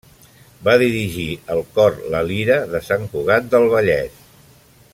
Va dirigir el cor La Lira, de Sant Cugat del Vallès.